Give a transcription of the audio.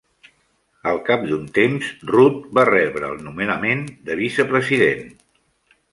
Al cap d'un temps, Root va rebre el nomenament de vicepresident.